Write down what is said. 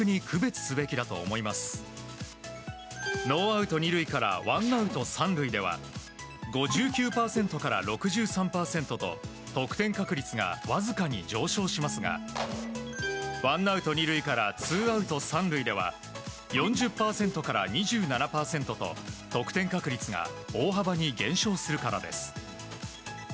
ノーアウト２塁からワンアウト３塁では５９％から６３％と得点確率がわずかに上昇しますがワンアウト２塁からツーアウト３塁では４０％から２７％と得点確率が大幅に減少するからです。